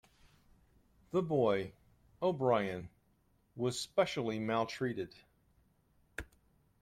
The boy, O'Brien, was specially maltreated.